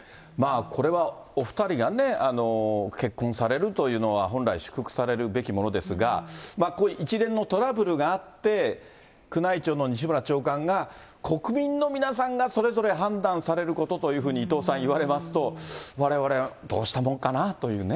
これはお２人がね、結婚されるというのは、本来、祝福されるべきものですが、これ、一連のトラブルがあって、宮内庁の西村長官が、国民の皆さんがそれぞれ判断されることというふうに、伊藤さん、言われますと、われわれはどうしたもんかなあとね。